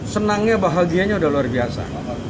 senangnya bahagianya udah luar biasa